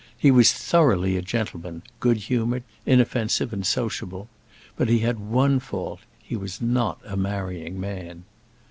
He was thoroughly a gentleman, good humoured, inoffensive, and sociable. But he had one fault: he was not a marrying man.